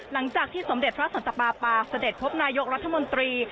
หลังจากที่สมเด็จพระสันตปาปาเสด็จพบนายกรัฐมนตรี